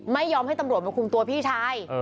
ไม่ยอมให้ตำรวจมาคุมตัวพี่ชาย